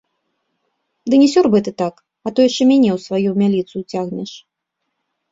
Ды не сёрбай ты так, а то яшчэ мяне ў сваю мяліцу ўцягнеш!